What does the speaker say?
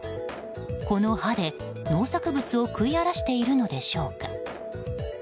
この歯で、農作物を食い荒らしているのでしょうか。